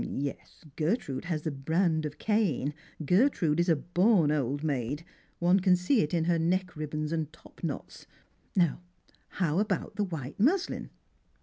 " Yes, Gertrude has the brand of Cain— Gertrude is a born old maid ; one can see it in her neck ribbons and top knots. Now, how about the white muslin